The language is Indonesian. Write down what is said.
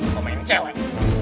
sama yang cewek